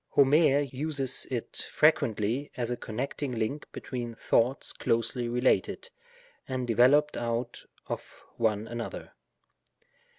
Homer uses it frequently as a connecting liTiTr between thoughts closely related, and developed out of one another.